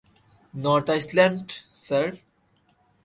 North Island, sir?